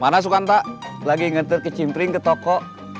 mana sukanta lagi ngetur ke cimpring ke toko